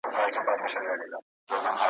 د شته من سړي د کور څنګ ته دباغ وو `